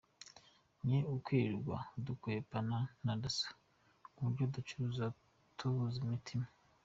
Ni ukwirirwa dukwepana na Dasso, ku buryo ducuruza tubunza imitima.